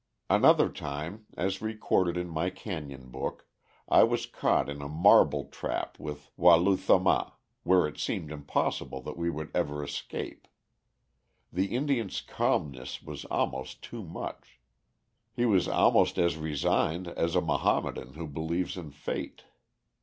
Another time, as recorded in my Canyon book, I was caught in a marble trap with Wa lu tha ma, where it seemed impossible that we could ever escape. The Indian's calmness was almost too much. He was almost as resigned as a Mahommedan who believes in Fate.